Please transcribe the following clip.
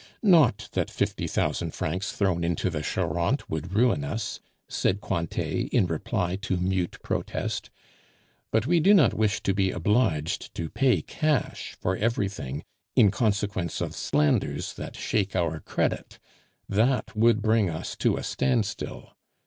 "Not that fifty thousand francs thrown into the Charente would ruin us," said Cointet, in reply to mute protest, "but we do not wish to be obliged to pay cash for everything in consequence of slanders that shake our credit; that would bring us to a standstill.